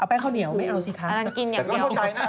เอาแป้งข้าวเหนียวไม่เอาสิคะ